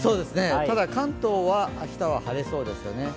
ただ関東は明日は晴れそうです。